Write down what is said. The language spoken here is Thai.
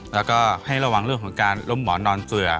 แล้วก็ให้ระวังเรื่องของการล้มหมอนนอนเฟื่อ